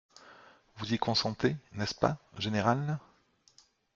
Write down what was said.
Vous y consentez, n'est-ce pas, général?